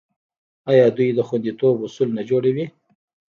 آیا دوی د خوندیتوب اصول نه جوړوي؟